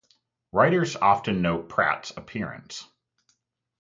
Writers often note Pratt's appearance.